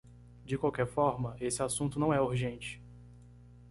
De qualquer forma, esse assunto não é urgente.